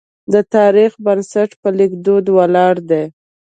د تاریخ بنسټ په لیک ولاړ دی.